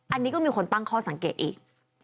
อันนี้ก็มีคนตั้งข้อสังเกตอีก